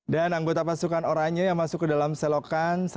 dan anggota pasukan oranye yang masuk ke dalam selokan